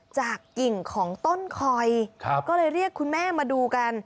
กิ่งของต้นคอยก็เลยเรียกคุณแม่มาดูกัน